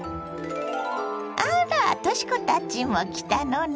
あらとし子たちも来たのね。